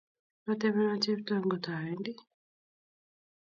Kotepena Cheptoo ngot awendi